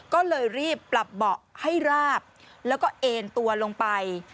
ก็เลยรีบปรับเบาะให้ราบแล้วก็เอ็นตัวลงไป